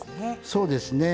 そうですね。